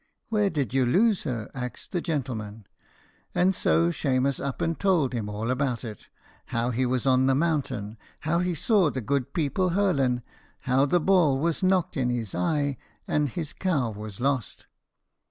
"Where did you lose her?" axed the gentleman. And so Shemus up and tould him all about it: how he was on the mountain how he saw the good people hurlen how the ball was knocked in his eye, and his cow was lost.